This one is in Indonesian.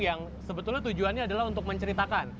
yang sebetulnya tujuannya adalah untuk menceritakan